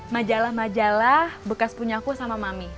majalah majalah bekas punyaku sama mami